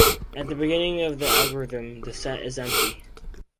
At the beginning of the algorithm, the set is empty.